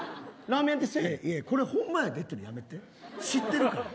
これほんまやでというのやめて、知ってるから。